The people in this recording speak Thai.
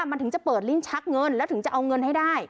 มันถึงจะเปิดลิ้นชักเงินแล้วถึงจะเอาเงินให้ได้